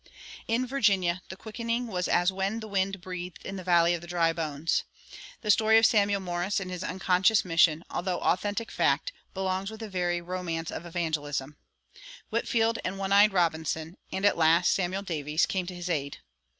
In Virginia the quickening was as when the wind breathed in the valley of dry bones. The story of Samuel Morris and his unconscious mission, although authentic fact, belongs with the very romance of evangelism.[173:1] Whitefield and "One eyed Robinson," and at last Samuel Davies, came to his aid.